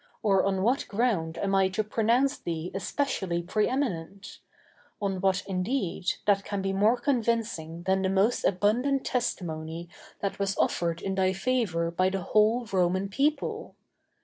or on what ground am I to pronounce thee especially preëminent? On what, indeed, that can be more convincing than the most abundant testimony that was offered in thy favor by the whole Roman people?